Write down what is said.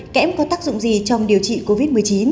kẽm có tác dụng gì trong điều trị covid một mươi chín